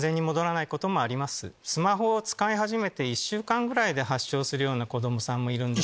スマホを使い始めて１週間ぐらいで発症する子供さんもいるんで。